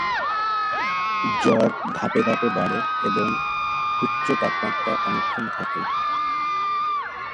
জ্বর ধাপে ধাপে বাড়ে এবং উচ্চ তাপমাত্রা অনেকক্ষণ থাকে।